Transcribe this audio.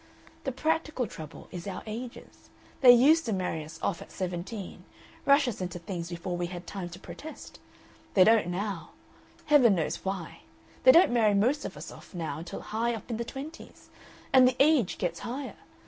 The practical trouble is our ages. They used to marry us off at seventeen, rush us into things before we had time to protest. They don't now. Heaven knows why! They don't marry most of us off now until high up in the twenties. And the age gets higher.